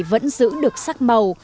vẫn giữ được sắc màu